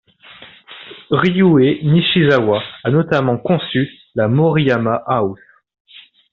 Ryūe Nishizawa a notamment conçu la Moriyama House.